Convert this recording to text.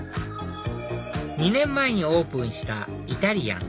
２年前にオープンしたイタリアン